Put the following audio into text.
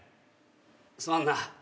すまんな。